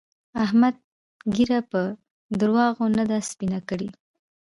احمد ږيره په درواغو نه ده سپينه کړې.